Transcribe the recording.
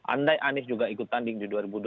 andai anies juga ikut tanding di dua ribu dua puluh